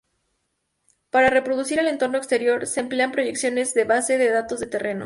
Para reproducir el entorno exterior se emplean proyecciones de bases de datos de terreno.